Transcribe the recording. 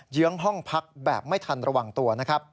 เยื้องห้องพักแบบไม่ทันระหว่างตัว